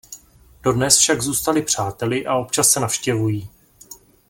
Dodnes však zůstali přáteli a občas se navštěvují.